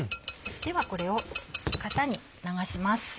ではこれを型に流します。